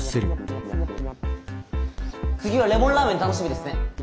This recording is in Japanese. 次はレモンラーメン楽しみですね。